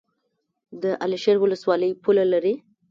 د علي شیر ولسوالۍ پوله لري